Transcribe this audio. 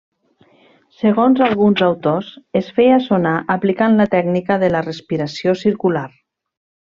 Segons alguns autors es feia sonar aplicant la tècnica de la respiració circular.